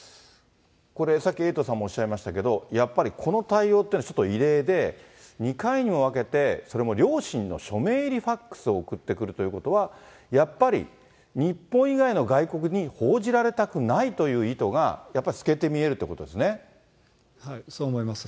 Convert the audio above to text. これさっきエイトさんも、おっしゃいましたけど、やっぱりこの対応っていうのはちょっと異例で、２回にも分けて、それも両親の署名入りファックスを送ってくるということは、やっぱり、日本以外の外国に報じられたくないという意図が、やっぱり透けてそう思います。